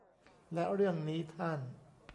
และเรื่องนี้ท่าน